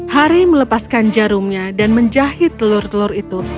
hari melepaskan jarumnya dan menjahit telur telur itu